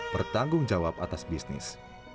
bertanggung jawab atas bisnis